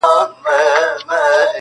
رپا د سونډو دي زما قبر ته جنډۍ جوړه كړه.